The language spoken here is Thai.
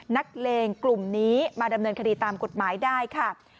นักเลงกลุ่มนี้มาดำเนินคดีตามกฎหมายได้ค่ะ